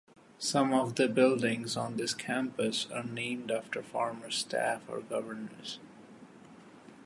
Some of the buildings on this campus are named after former staff or governors.